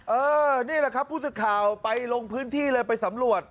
นี่แหละครับผู้สื่อข่าวไปลงพื้นที่เลยไปสำรวจ